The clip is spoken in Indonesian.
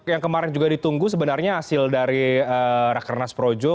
yang kemarin juga ditunggu sebenarnya hasil dari rakernas projo